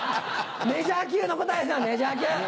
メジャー級の答えですよメジャー級。